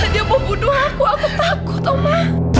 dia mau bunuh aku aku takut oma